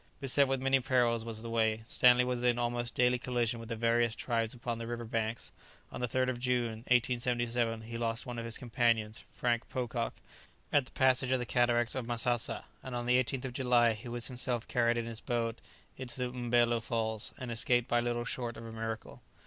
Beset with many perils was the way. Stanley was in almost daily collision with the various tribes upon the river banks; on the 3rd of June, 1877, he lost one of his companions, Frank Pocock, at the passage of the cataracts of Massassa, and on the 18th of July he was himself carried in his boat into the Mbelo Falls, and escaped by little short of a miracle.